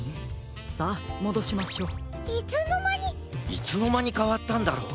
いつのまにかわったんだろう。